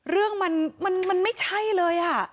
เรื่องมันไม่ใช่เลย